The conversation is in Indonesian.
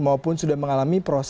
maupun sudah mengalami proses